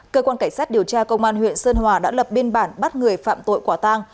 cơ quan cảnh sát điều tra công an huyện sơn hòa đã lập biên bản bắt người phạm tội quả tang